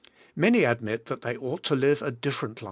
Many admit that they ought to live a different life.